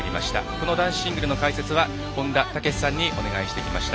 この男子シングルの解説は本田武史さんにお願いしてきました。